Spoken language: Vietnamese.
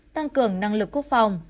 tăng cường năng lực quốc phòng